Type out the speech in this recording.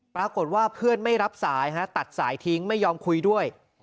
ปรากฏว่าเพื่อนไม่รับสายตัดสายทิ้งไม่ยอมคุยด้วย